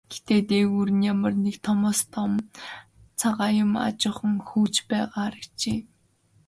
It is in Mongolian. Гэхдээ дээгүүр нь ямар нэг томоос том цагаан юм аажуухан хөвж байгаа харагджээ.